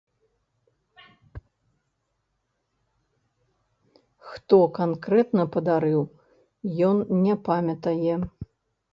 Хто канкрэтна падарыў, ён не памятае.